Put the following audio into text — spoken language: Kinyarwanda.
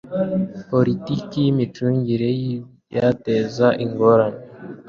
politiki y imicungire y ibyateza ingorane